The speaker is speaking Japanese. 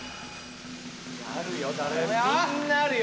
あるよ